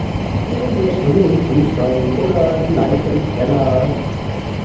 Der Schimmel im Kühlschrank oder die Leiche im Keller.